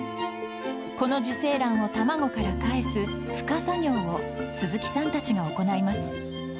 この受精卵を卵からかえすふ化作業を、鈴木さんたちが行います。